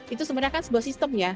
itu sebenarnya kan sebuah sistem ya